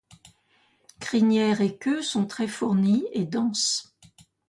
Crinière et queue sont très fournies, et denses.